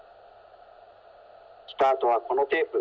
スタートはこのテープ。